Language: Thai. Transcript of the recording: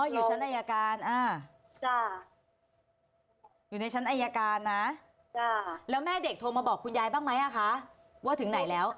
อยู่ชั้นอายการอยู่ในชั้นอายการนะแล้วแม่เด็กโทรมาบอกคุณยายบ้างไหมคะว่าถึงไหนแล้ว